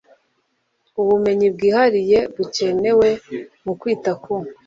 ubumenyi bwihariye bukenewe mu kwita ku